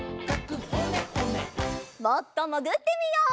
もっともぐってみよう。